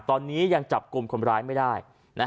ตอนนี้ยังจับกลุ่มคนร้ายไม่ได้